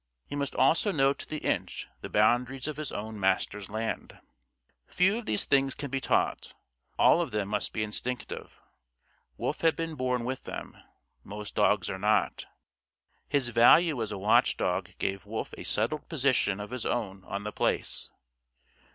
He must also know to the inch the boundaries of his own master's land. Few of these things can be taught; all of them must be instinctive. Wolf had been born with them. Most dogs are not. His value as a watch dog gave Wolf a settled position of his own on The Place.